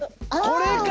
これか！